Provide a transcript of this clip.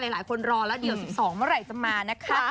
รอแล้วเดี๋ยว๑๒เมื่อไหร่จะมานะคะ